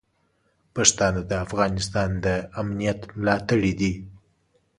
پښتانه د افغانستان د امنیت ملاتړي دي.